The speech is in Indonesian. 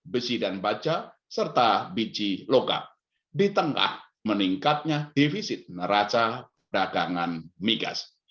besi dan baja serta biji lokal di tengah meningkatnya defisit neraca dagangan migas